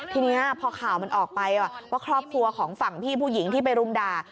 ทีนี้พอข่าวมันออกไปว่าครอบครัวของฝั่งพี่ผู้หญิงที่ไปรุมด่า